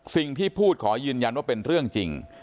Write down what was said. สิ่งที่พูดขอยืนยันว่าเป็นเรื่องจริง